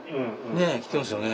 ねえきてますよね